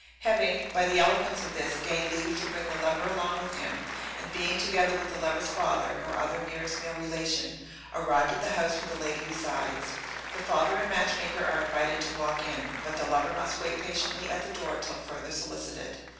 Having, by the eloquence of this, gained leave to bring the lover along with him, and being, together with the lover's father or other nearest male relation, arrived at the house where the lady resides, the father and match maker are invited to walk in, but the lover must wait patiently at the door till further solicited.